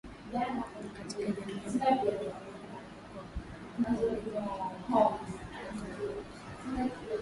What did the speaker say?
Katika jamii ya Wajaluo wao huwekwa kwenye kikundi kinachojulikana kama Joka Jok pamoja na